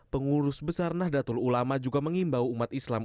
pengurus besar nahdlatul ulama juga mengimbau umat islam